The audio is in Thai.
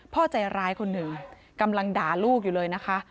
พ่อใจร้ายคนหนึ่งกำลังด่าลูกอยู่เลยนะคะ